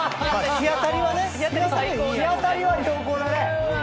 日当たりは良好だね。